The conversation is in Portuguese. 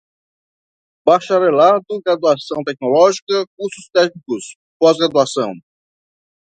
bacharelado, graduação tecnológica, cursos técnicos, pós-graduação